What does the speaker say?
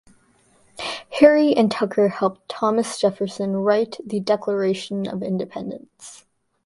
Harry and Tucker help Thomas Jefferson write the Declaration of Independence.